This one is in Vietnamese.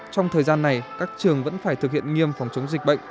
trong thời gian này các trường vẫn phải thực hiện nghiêm phòng chống dịch bệnh